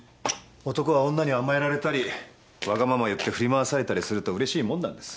男は女に甘えられたりわがまま言って振り回されたりするとうれしいもんなんです。